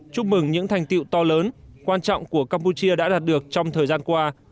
chúc mừng những thành tiệu to lớn quan trọng của campuchia đã đạt được trong thời gian qua